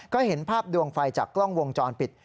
ก็เห็นภาพดวงไฟจากกล้องวงจรปิด